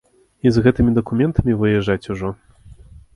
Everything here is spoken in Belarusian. І з гэтымі дакументамі выязджаць ужо.